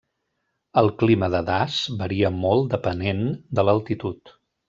El clima de Das varia molt depenent de l'altitud.